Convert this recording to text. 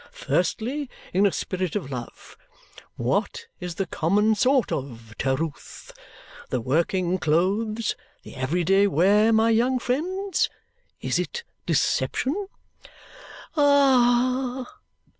Firstly (in a spirit of love), what is the common sort of Terewth the working clothes the every day wear, my young friends? Is it deception?" "Ah h!"